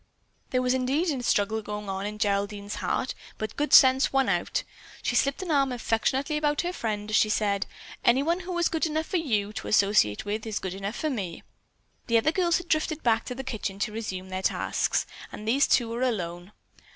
There was indeed a struggle going on in Geraldine's heart, but good sense won out. She slipped an arm affectionately about her friend as she said: "Anyone who is good enough for you to associate with is good enough for me!" The other girls had drifted back to the kitchen to resume their tasks, and these two were alone.